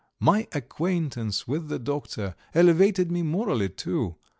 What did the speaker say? My acquaintance with the doctor elevated me morally too.